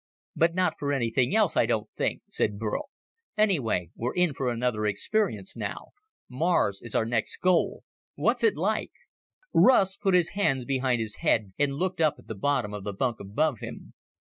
"But not for anything else, I don't think," said Burl. "Anyway, we're in for another experience now. Mars is our next goal. What's it like?" Russ put his hands behind his head and looked up at the bottom of the bunk above him.